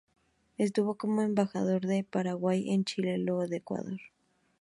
Estuvo como embajador del Paraguay en Chile, luego Ecuador.